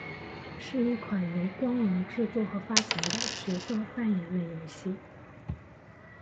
是一款由光荣制作和发行的角色扮演类游戏。